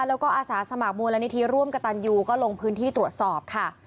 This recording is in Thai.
แล้วก็อาศาสตร์สมครรณนิทรีร่วมกับตาลยูและก็ลงพื้นที่ตรวจสอบค่ะ